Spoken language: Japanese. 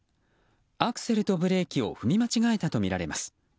アクセルとブレーキを踏み間違えたとみられます。